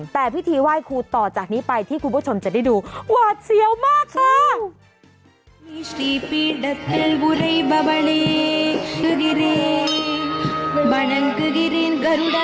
แต่พิธีไหว้ครูต่อจากนี้ไปที่คุณผู้ชมจะได้ดูหวาดเสียวมากค่ะ